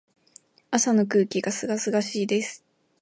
朝の空気が清々しいです。